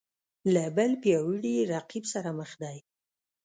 له بل پیاوړي رقیب سره مخ دی